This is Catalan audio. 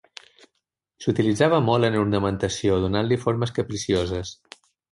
S'utilitzava molt en ornamentació, donant-li formes capricioses.